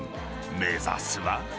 目指すは。